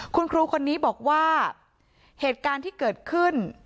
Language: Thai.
คุณครูคนนี้บอกว่าเหตุการณ์ที่เกิดขึ้น